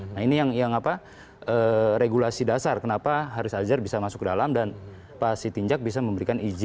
nah ini yang apa regulasi dasar kenapa haris azhar bisa masuk ke dalam dan pak sitinjak bisa memberikan izin